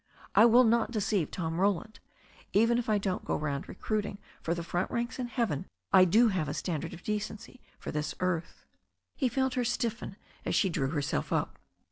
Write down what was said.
I will not deceive Tom Roland. Even if I don't go round recruiting for the front ranks in heaven I do have a standard of decency for this earth." He felt her stiffen as she drew herself up.